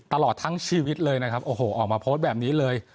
ตลอดทั้งชีวิตเลยนะครับโอ้โหออกมาโพสต์แบบนี้เลย